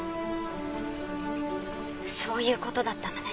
そういうことだったのね。